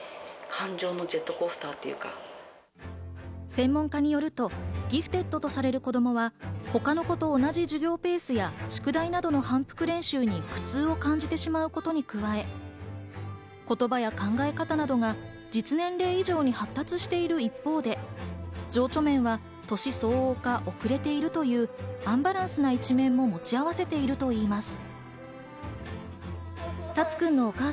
専門家によると、ギフテッドとされる子供は、他の子と同じ授業ペースや宿題などの反復練習に苦痛を感じてしまうことに加え、言葉や考え方などが実年齢以上に発達している一方で、情緒面は年相応か遅れているというアンバランスな一面も持ち合わせているといいます。